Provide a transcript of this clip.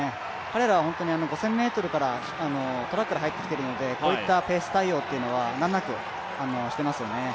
彼らは５０００ｍからトラックで入ってきているので、こういったペース対応というのは難なくしていますよね。